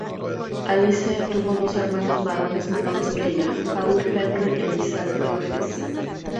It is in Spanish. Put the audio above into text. Alice tuvo dos hermanos varones menores que ella, Paul Henri e Isaac Georges.